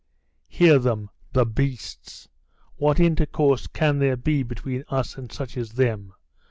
"Hear them, the beasts! What intercourse can there be between us and such as them?"